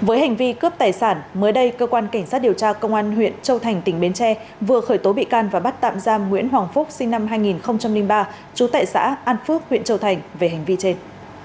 với hành vi cướp tài sản mới đây cơ quan cảnh sát điều tra công an huyện châu thành tỉnh bến tre vừa khởi tố bị can và bắt tạm giam nguyễn hoàng phúc sinh năm hai nghìn ba trú tại xã an phước huyện châu thành về hành vi trên